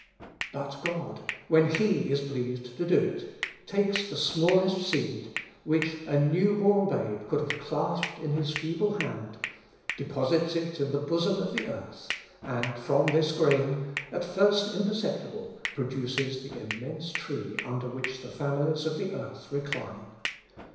But God, when he is pleased to do it, takes the smallest seed, which a new born babe could have clasped in its feeble hand, deposits it in the bosom of the earth, and, from this grain, at first imperceptible, produces the immense tree under which the families of the earth recline.